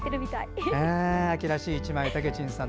秋らしい１枚、たけちんさん